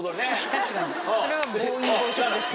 確かにそれは暴飲暴食ですね。